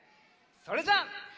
それじゃあ。